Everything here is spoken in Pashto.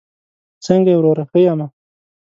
څنګه یې وروره؟ ښه یمه